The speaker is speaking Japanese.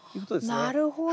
なるほど。